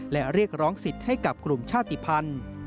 และเรียกร้องศิษย์ให้กับกลุ่มชาติพันธุ์